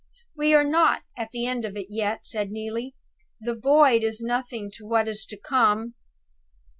"We are not at the end of it yet," said Neelie. "The Void is nothing to what is to come."